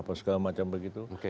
atau segala macam begitu